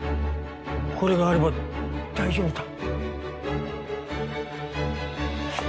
これがあれば大丈夫だ。